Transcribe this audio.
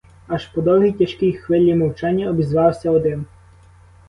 Аж по довгій, тяжкій хвилі мовчання обізвався один.